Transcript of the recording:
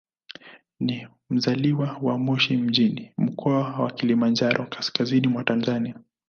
Ni mzaliwa wa Moshi mjini, Mkoa wa Kilimanjaro, kaskazini mwa Tanzania.